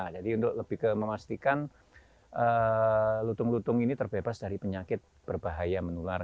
jadi untuk lebih kememastikan lutung lutung ini terbebas dari penyakit berbahaya menular